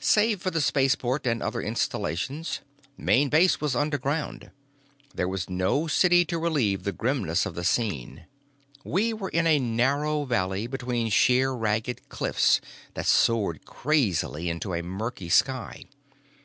Save for the spaceport and other installations, Main Base was underground. There was no city to relieve the grimness of the scene. We were in a narrow valley between sheer, ragged cliffs that soared crazily into a murky sky.